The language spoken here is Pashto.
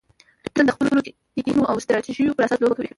دوی تل د خپلو تکتیکونو او استراتیژیو پر اساس لوبه کوي.